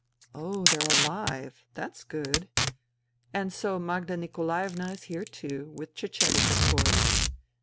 " Oh, they're alive. That's good. ... And so Magda Nikolaevna is here too — with Cecedek, of course."